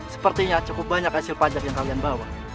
sepertinya cukup banyak hasil pajak yang kalian bawa